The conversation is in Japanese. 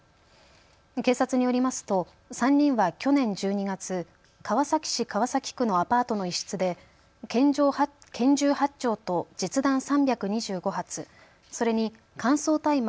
警察によりますと３人は去年１２月、川崎市川崎区のアパートの一室で拳銃８丁と実弾３２５発、それに乾燥大麻